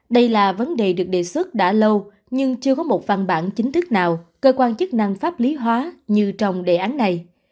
đây là vấn đề được đề xuất đã lâu nhưng chưa có một văn bản chính thức nào cơ quan chức năng pháp lý hóa như trong đề án này